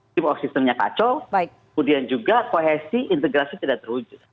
tim oksisternya kacau kemudian juga kohesi integrasi tidak terwujud